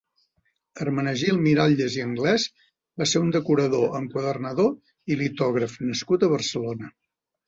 Hermenegild Miralles i Anglès va ser un decorador, enquadernador i litògraf nascut a Barcelona.